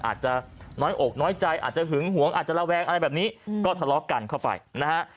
อาจจะน้อยอกน้อยใจอาจจะหึงหวงอาจจะระแวงอะไรแบบนี้ก็ทะเลาะกันเข้าไปนะฮะ